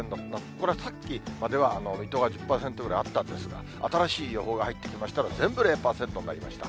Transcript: これ、さっきまでは水戸が１０％ぐらいあったんですが、新しい予報が入ってきましたら、全部０％になりました。